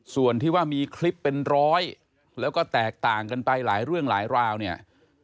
ส่วนที่ว่ามีคลิปเป็นร้อยแล้วก็แตกต่างกันไปหลายเรื่องหลายราวเนี่ย